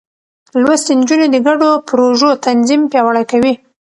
لوستې نجونې د ګډو پروژو تنظيم پياوړې کوي.